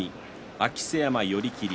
明瀬山、寄り切り。